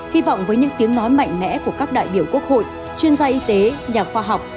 hy vọng với những tiếng nói mạnh mẽ của các đại biểu quốc hội chuyên gia y tế nhà khoa học